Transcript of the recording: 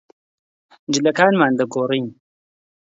جلەکانمان دەگۆڕین.